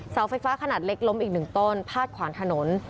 เสาไฟฟ้าขนาดเล็กล้มอีกหนึ่งต้นพาดขวางถนน